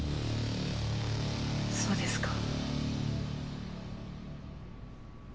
そうですか。